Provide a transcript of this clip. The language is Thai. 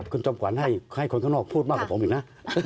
คุณจอมขวัญให้คนข้างนอกพูดมากกว่าผมอีกนะ